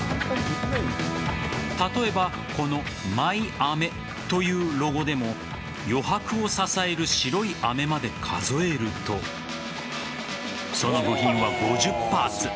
例えばこの「ｍｙａｍｅ．」というロゴでも余白を支える白い飴まで数えるとその部品は５０パーツ。